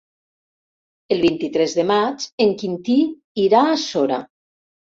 El vint-i-tres de maig en Quintí irà a Sora.